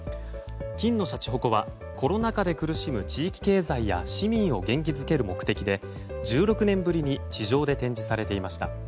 金のしゃちほこはコロナ禍で苦しむ地域経済や市民を元気づける目的で１６年ぶりに地上で展示されていました。